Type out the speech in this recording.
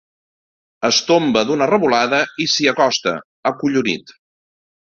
Es tomba d'una revolada i s'hi acosta, acollonit.